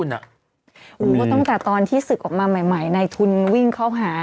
โอ้โหตั้งแต่ตอนที่ศึกออกมาใหม่ในทุนวิ่งเข้าหา